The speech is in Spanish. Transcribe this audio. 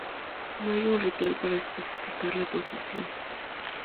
No hay un ritual para especificar la posición.